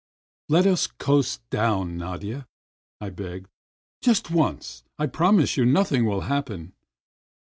"Let us coast down, Nadia !" I begged. "Just once ! I promise you nothing will happen."